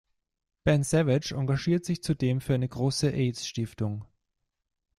Ben Savage engagiert sich zudem für eine große Aidsstiftung.